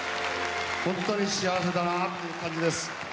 本当に幸せだなって感じです。